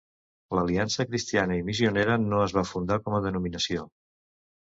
L'Aliança Cristiana i Missionera no es va fundar com a denominació.